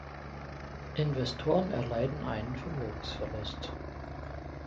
Investoren erleiden einen Vermögensverlust.